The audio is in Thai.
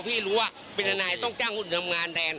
พี่รู้อะ